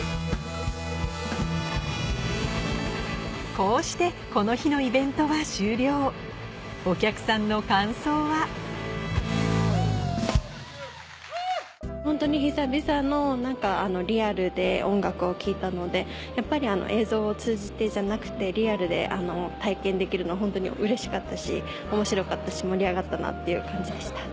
こうしてこの日のイベントは終了お客さんの感想はホントに久々のリアルで音楽を聴いたのでやっぱり映像を通じてじゃなくてリアルで体験できるのはホントにうれしかったし面白かったし盛り上がったなっていう感じでした。